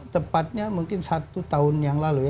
tepatnya mungkin satu tahun yang lalu ya